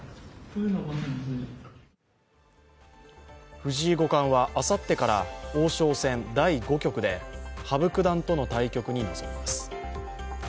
藤井五冠はあさってから王将戦第５局で羽生九段との対局に臨みます。